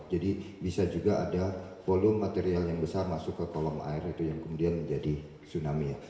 jadi bisa juga ada volume material yang besar masuk ke kolom air itu yang kemudian menjadi tsunami ya